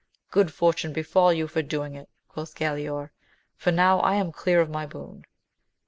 Good fortune befall you for doing it, quoth Galaor ; for now am I clear of my boon.